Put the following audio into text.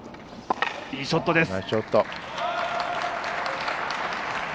いいショットでした。